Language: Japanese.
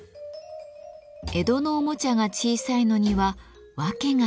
江戸のおもちゃが小さいのには訳があります。